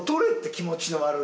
気持ちの悪い。